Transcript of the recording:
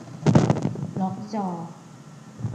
ล็อกจอ